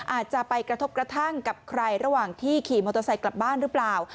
อาจจะไปกระทบกระทั่งกับใครระหว่างที่ขี่มอเตอร์ไซค์กลับบ้านหรือเปล่า